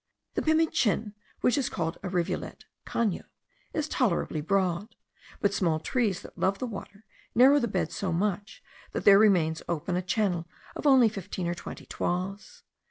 The Pimichin, which is called a rivulet (cano) is tolerably broad; but small trees that love the water narrow the bed so much that there remains open a channel of only fifteen or twenty toises.